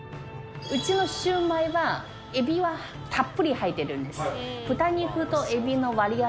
うちのシュウマイはエビはたっぷり入ってるんです。